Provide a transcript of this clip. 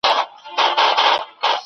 برکت په ګډ کار کي وي.